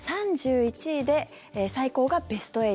３１位で最高がベスト８